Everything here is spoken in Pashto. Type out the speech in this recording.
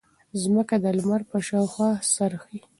ځمکه د لمر په شاوخوا څرخي.